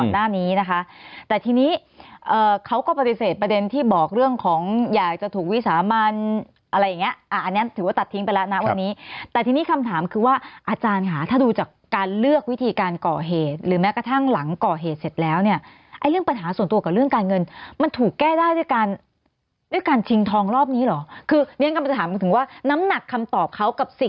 ทีนี้เขาก็ปฏิเสธประเด็นที่บอกเรื่องของอยากจะถูกวิสามันอะไรอย่างเงี้ยอันนี้ถือว่าตัดทิ้งไปแล้วนะวันนี้แต่ทีนี้คำถามคือว่าอาจารย์หาถ้าดูจากการเลือกวิธีการก่อเหตุหรือแม้กระทั่งหลังก่อเหตุเสร็จแล้วเนี่ยเรื่องปัญหาส่วนตัวกับเรื่องการเงินมันถูกแก้ได้ด้วยการด้วยการชิงทองรอบนี้หรอคือเน